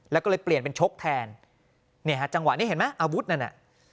แล้วก็เลยเปลี่ยนเป็นชกแทนเนี่ยฮะจังหวะนี้เห็นไหมอาวุธนั่นน่ะ